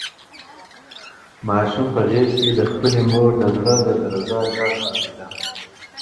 ماشوم په غېږ کې د خپلې مور د زړه د درزا غږ اورېده.